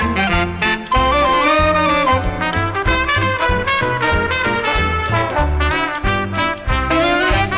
สวัสดีครับสวัสดีครับ